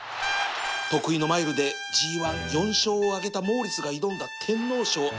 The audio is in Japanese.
得意のマイルで ＧⅠ４ 勝を挙げたモーリスが挑んだ天皇賞